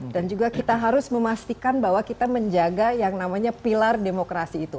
dan juga kita harus memastikan bahwa kita menjaga yang namanya pilar demokrasi itu